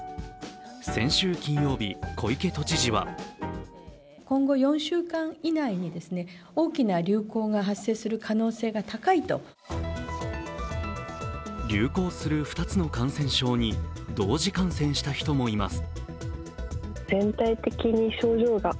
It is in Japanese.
先週金曜日、小池都知事は流行する２つの感染症に同時感染した人もいます。